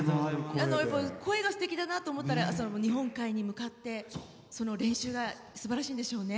声がすてきだなと思って日本海に向かって練習がすばらしいんでしょうね。